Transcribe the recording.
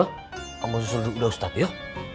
saya mau suruh duduk dulu ustad ya